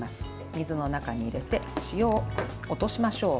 水の中に入れて塩を落としましょう。